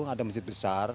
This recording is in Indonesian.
ada masjid besar